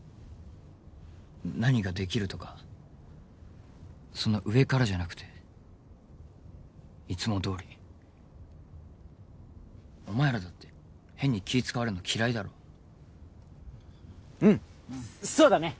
何ができるとかそんな上からじゃなくていつもどおりお前らだって変に気使われるの嫌いだろうんそうだね！